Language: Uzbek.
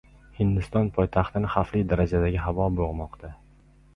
Hindiston poytaxtini xavfli darajadagi havo bo‘g‘moqda